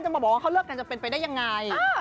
มาบอกว่าเขาเลิกกันจะเป็นไปได้ยังไง